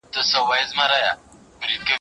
زه به سبا د درسونو يادونه وکړم؟!